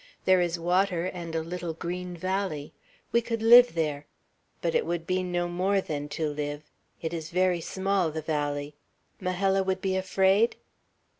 There is water, and a little green valley. We could live there; but it would be no more than to live,, it is very small, the valley. Majella would be afraid?"